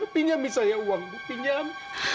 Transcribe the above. pinjami saya uang bu pinjam